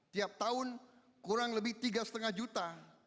tiap tahun kurang lebih tiga lima juta